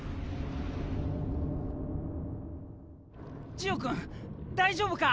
ジオ君大丈夫か？